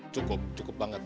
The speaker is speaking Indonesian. cukup cukup banget